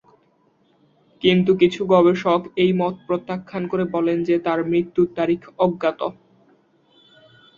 কিন্তু কিছু আধুনিক গবেষক এই মত প্রত্যাখ্যান করে বলেন যে তার মৃত্যুর তারিখ অজ্ঞাত।